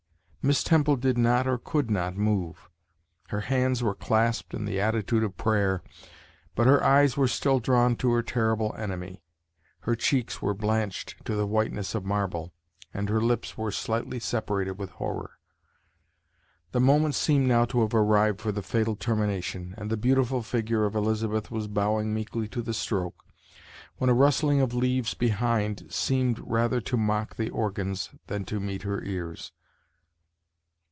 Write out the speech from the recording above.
Miss Temple did not or could not move. Her hands were clasped in the attitude of prayer, but her eyes were still drawn to her terrible enemy her cheeks were blanched to the whiteness of marble, and her lips were slightly separated with horror. The moment seemed now to have arrived for the fatal termination, and the beautiful figure of Elizabeth was bowing meekly to the stroke, when a rustling of leaves behind seemed rather to mock the organs than to meet her ears.